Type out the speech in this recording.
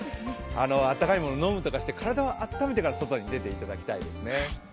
あったかいものを飲むとかして、体を温めてから外に出ていただきたいですね。